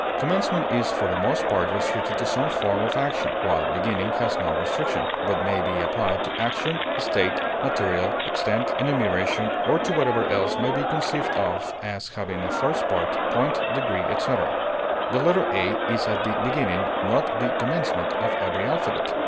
Commencement is for the most part restricted to some form of action, while beginning has no restriction, but may be applied to action, state, material, extent, enumeration, or to whatever else may be conceived of as having a first part, point, degree, etc. The letter A is at the beginning (not the commencement) of every alphabet.